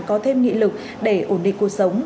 có thêm nghị lực để ổn định cuộc sống